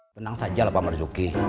tenang saja lah pak marzuki